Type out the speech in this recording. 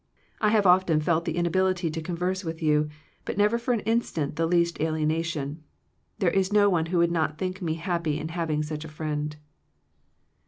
I have often felt the inability to converse with you, but never for an instant the least alien ation. There is no one who would not think me happy in having such a friend."